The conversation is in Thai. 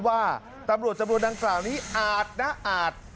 ว่าตำรวจจำนวนนางกลางไม่อาจนะอาจ